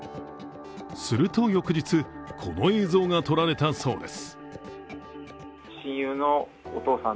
すると翌日、この映像が撮られたそうです。